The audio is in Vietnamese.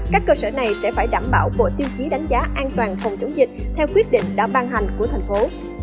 các cơ sở này sẽ phải đảm bảo bộ tiêu chí đánh giá an toàn phòng chống dịch theo quyết định đã ban hành của thành phố